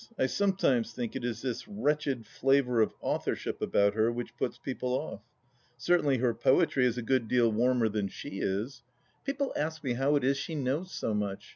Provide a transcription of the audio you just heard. I sometimes think it is this wretched flavour of authorship about her which puts people off. Certainly her poetry is a good deal warmer THE LAiST UlTCll '•i'A than she is. People ask me how it is she knows so much.